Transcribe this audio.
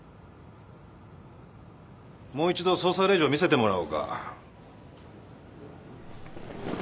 もう一度捜査令状見せてもらおうか。